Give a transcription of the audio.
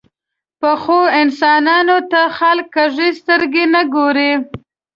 پخو انسانانو ته خلک کږې سترګې نه ګوري